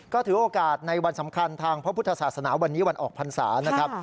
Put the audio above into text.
ก็ถือโอกาสในวันสำคัญทางพระพุทธศาสนาวันนี้วันออกพรรษานะครับ